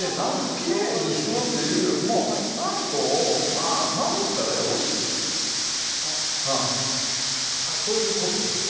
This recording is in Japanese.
きれいにするっていうよりもあんこをまぶしたらよろしいねん。ということですわ。